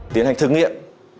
tiến hành thực nghiệm